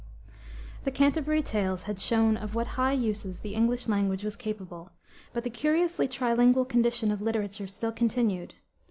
The Canterbury Tales had shown of what high uses the English language was capable, but the curiously trilingual condition of literature still continued.